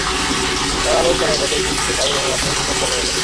তাঁরা আলোর চলার পথে একটি বিশেষ আবরণের মাধ্যমে ফোটন সরবরাহ করেন।